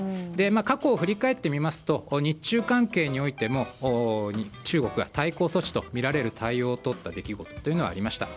過去を振り返ってみますと日中関係においても中国が対抗措置とみられる対応をとった出来事がありました。